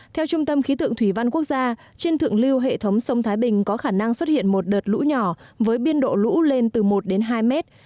theo trung tâm khí tượng thủy văn quốc gia trên thượng lưu hệ thống sông thái bình có khả năng xuất hiện một đợt lũ nhỏ với biên độ lũ lên từ một đến hai mét